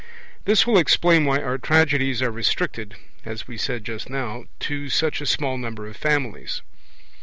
This will explain why our tragedies are restricted (as we said just now) to such a small number of families.